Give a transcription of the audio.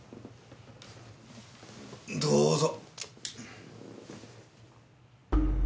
どうぞ。